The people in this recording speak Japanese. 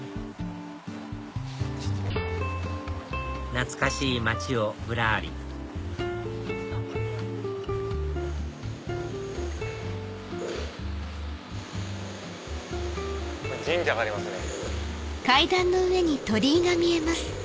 懐かしい街をぶらり神社がありますね。